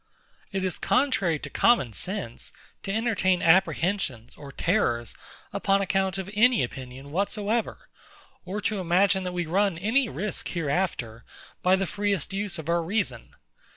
It is contrary to common sense to entertain apprehensions or terrors upon account of any opinion whatsoever, or to imagine that we run any risk hereafter, by the freest use of our reason.